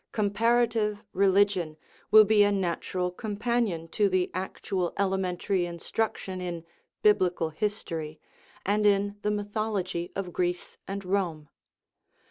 Comparative re ligion will be a natural companion to the actual ele mentary instruction in " biblical history * and in the 361 THE RIDDLE OF THE UNIVERSE mythology of Greece and Rome.